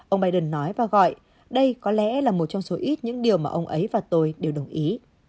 ông biden nói và gọi đây có lẽ là một trong số ít những điều mà ông ấy và tôi đều đồng ý